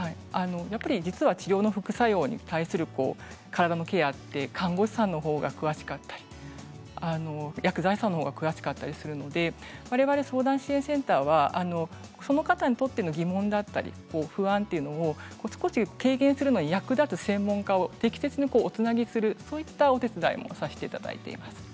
治療の副作用に対する体のケアって看護師さんの方が詳しかったり薬剤師さんの方が詳しかったりするので我々、相談支援センターはその方にとっての疑問だったり不安というのを少し軽減するのに役立つ専門家を適切におつなぎするというお手伝いをさせていただいています。